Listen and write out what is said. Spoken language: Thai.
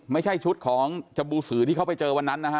ไม่ใช่ชุดของจบูสือที่เขาไปเจอวันนั้นนะฮะ